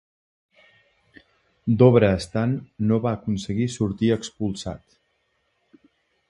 Dobre Stan no va aconseguir sortir expulsat.